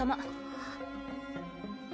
あっ。